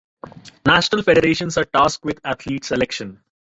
National federations are tasked with the athlete selection.